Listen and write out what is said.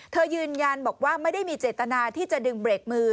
ยืนยันบอกว่าไม่ได้มีเจตนาที่จะดึงเบรกมือ